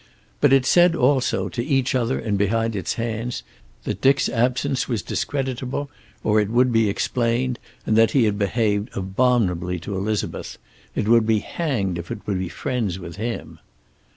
But it said also, to each other and behind its hands, that Dick's absence was discreditable or it would be explained, and that he had behaved abominably to Elizabeth. It would be hanged if it would be friends with him.